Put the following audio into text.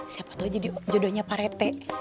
siapa tau jadi jodohnya pak rt